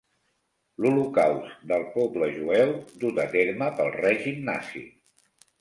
L'holocaust del poble jueu dut a terme pel règim nazi.